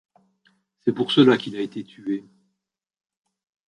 C’est pour cela qu’il a été tué.